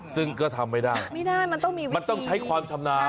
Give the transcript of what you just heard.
ซึ่งก็ทำไม่ได้มันต้องใช้ความชำนาญ